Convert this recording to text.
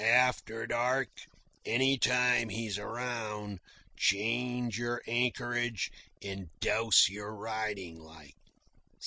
After dark, any time he's around, change your anchorage and douse your riding light.